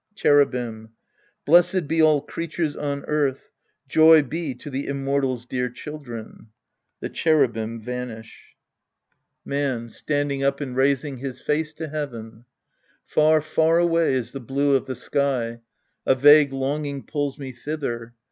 Cherubim. Blessed be all creatures on earth, Joy be to the Immortal's dear children. {J'he Cherubim vanish). )0 The Priest and His Disciples Ind. Man {standing up and raising his face to heaven). Far, far away is the blue of the sky. A vague long ing pulls me tWther.